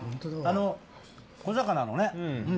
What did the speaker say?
あの小魚のね。